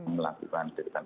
melakukan sederhana ibadah